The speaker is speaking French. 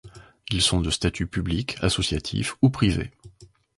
Ils sont de statut public, associatif ou privé.